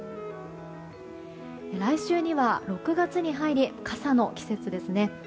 来週には６月に入り傘の季節ですね。